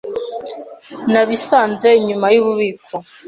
Nabisanze inyuma yububiko.